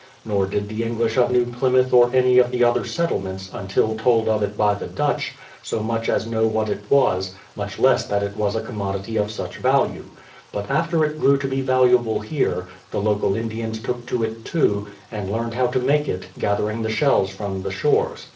Nor did the English of New Plymouth or any of the other settlements, until told of it by the Dutch, so much as know what it was, much less that it was a commodity of such value. But after it grew to be valuable here, the local Indians took to it too, and learned how to make it, gathering the shells from the shores.